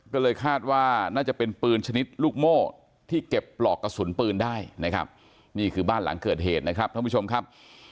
ก็เลยคาดว่าน่าจะเป็นปืนชนิดลูกโม่ที่เก็บปลอกกระสุนปืนได้นะครับนี่คือบ้านหลังเกิดเหตุนะครับท่านผู้ชมครับ